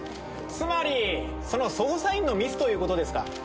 つまりその捜査員のミスという事ですか？